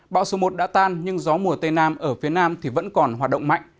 bão số một đã tan nhưng gió mùa tây nam ở phía nam thì vẫn còn hoạt động mạnh